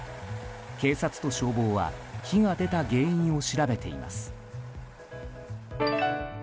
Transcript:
警察と消防は火が出た原因を調べています。